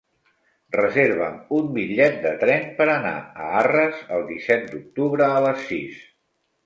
Reserva'm un bitllet de tren per anar a Arres el disset d'octubre a les sis.